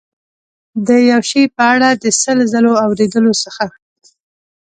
د یو شي په اړه د سل ځلو اورېدلو څخه.